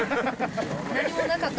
何もなかった。